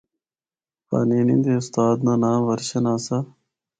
پانینی دے استاد دا ناں ورشن آسا۔